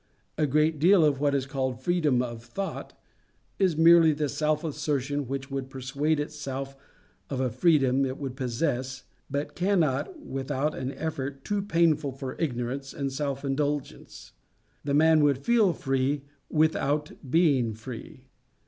A great deal of what is called freedom of thought is merely the self assertion which would persuade itself of a freedom it would possess but cannot without an effort too painful for ignorance and self indulgence. The man would feel free without being free.